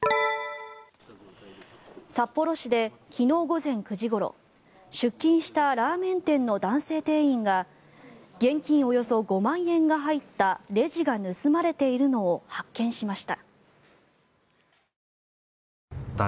札幌市で昨日午前９時ごろ出勤したラーメン店の男性店員が現金およそ５万円が入ったレジが盗まれているのを発見しました。